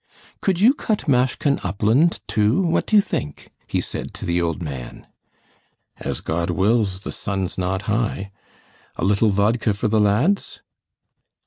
"Could you cut Mashkin Upland too?—what do you think?" he said to the old man. "As God wills, the sun's not high. A little vodka for the lads?"